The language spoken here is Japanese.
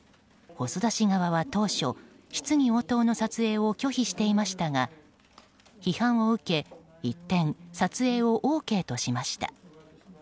細田氏側は当初、質疑応答の撮影を拒否していましたが批判を受け一転撮影をＯＫとしました。